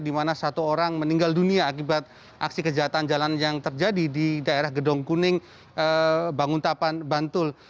di mana satu orang meninggal dunia akibat aksi kejahatan jalan yang terjadi di daerah gedong kuning banguntapan bantul